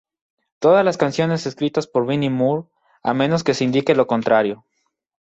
Todas las canciones escritas por Vinnie Moore, a menos que se indique lo contrario.